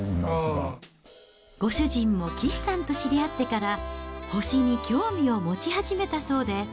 ご主人も岸さんと知り合ってから、星に興味を持ち始めたそうで。